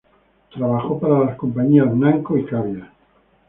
Trabajó para las compañías Namco y Cavia.